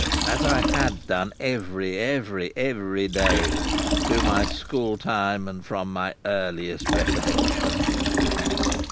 As I had done every, every, every day, through my school time and from my earliest recollection."